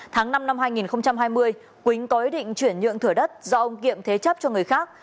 tháng năm năm hai nghìn hai mươi quỳnh có ý định chuyển nhượng thửa đất do ông kiệm thế chấp cho người khác